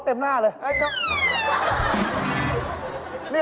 ทำไมล่ะนะนักร้องเนี่ย